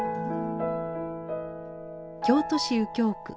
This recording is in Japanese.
京都市右京区。